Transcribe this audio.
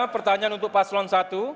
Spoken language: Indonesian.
pertanyaan untuk paslon satu